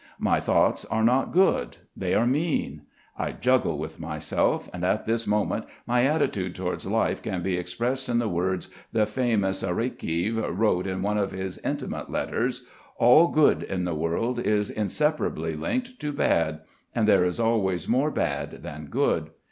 My thoughts are not good, they are mean; I juggle with myself, and at this moment my attitude towards life can be expressed in the words the famous Arakheev wrote in one of his intimate letters: "All good in the world is inseparably linked to bad, and there is always more bad than good."